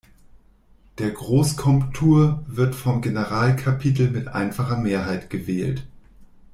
Der Großkomtur wird vom Generalkapitel mit einfacher Mehrheit gewählt.